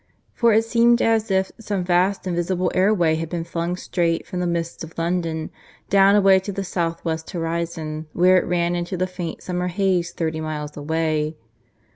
For it seemed as if some vast invisible air way had been flung straight from the midst of London, down away to the south west horizon, where it ran into the faint summer haze thirty miles away.